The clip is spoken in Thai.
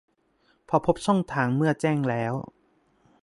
พอพบช่องทางเมื่อแจ้งแล้ว